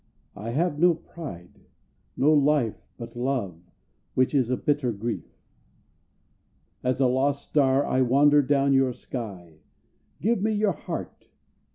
I have no pride, No life, but love, which is a bitter grief. As a lost star I wander down your sky. Give me your heart.